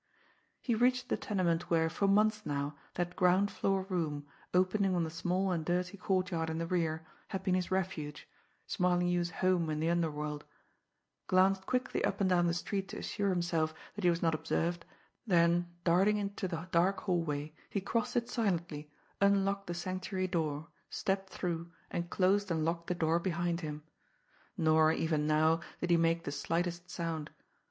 He reached the tenement where, for months now, that ground floor room, opening on the small and dirty courtyard in the rear, had been his refuge, Smarlinghue's home in the underworld, glanced quickly up and down the street to assure himself that he was not observed, then, darting into the dark hallway, he crossed it silently, unlocked the Sanctuary door, stepped through, and closed and locked the door behind him. Nor, even now, did he make the slightest sound.